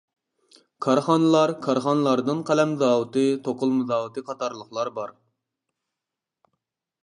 كارخانىلار كارخانىلاردىن قەلەم زاۋۇتى، توقۇلما زاۋۇتى قاتارلىقلار بار.